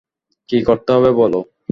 কি করতে হবে বলো?